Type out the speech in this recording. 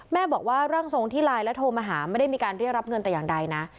แม่บอกว่าร่างทรงที่ไลน์และโทรมาหาไม่ได้มีการเรียกรับเงินแต่อย่างใดนะ